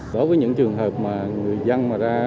đối với những trường hợp mà người dân mà ra